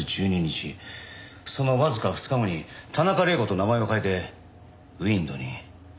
そのわずか２日後に「田中玲子」と名前を変えてＷＩＮＤに。